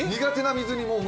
苦手な水に？